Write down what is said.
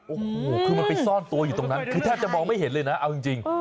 โอ้โหคือมันไปซ่อนตัวอยู่ตรงนั้นคือแทบจะมองไม่เห็นเลยนะเอาจริง